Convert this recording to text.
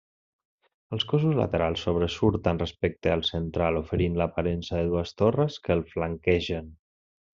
Els cossos laterals sobresurten respecte al central, oferint l'aparença de dues torres que el flanquegen.